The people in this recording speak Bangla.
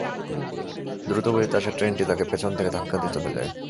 দ্রুত গতিতে আসা ট্রেনটি তাঁকে পেছন থেকে ধাক্কা দিয়ে চলে যায়।